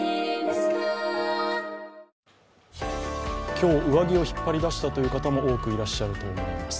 今日、上着を引っ張り出したという方も多くいらっしゃると思います。